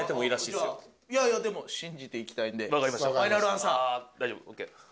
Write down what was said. いやいやでも信じていきたいんでわかりました